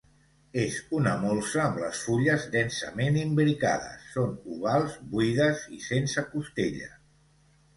És una molsa amb les fulles densament imbricades, són ovals, buides i sense costella.